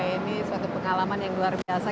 ini suatu pengalaman yang luar biasa